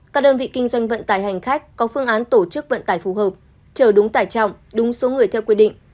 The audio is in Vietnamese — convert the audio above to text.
các đơn vị kinh doanh vận tải hành khách có phương án tổ chức vận tải phù hợp chờ đúng tải trọng đúng số người theo quy định